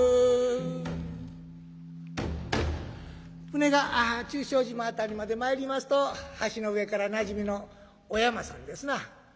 船が中書島辺りまで参りますと橋の上からなじみのおやまさんですな。